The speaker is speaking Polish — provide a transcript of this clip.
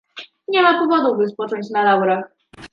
Nie ma powodu, by spocząć na laurach